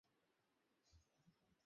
ওর সাথে ছিলাম রাতে আমি।